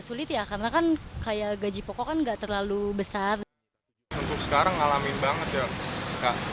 sulit ya karena kan kayak gaji pokok kan enggak terlalu besar untuk sekarang ngalamin banget ya